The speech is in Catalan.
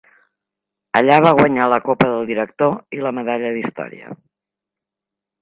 Allà va guanyar la Copa del Director i la medalla d'història.